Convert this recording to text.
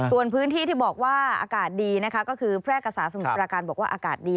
ส่วนพื้นที่ที่บอกว่าอากาศดีนะคะก็คือแพร่กษาสมุทรประการบอกว่าอากาศดี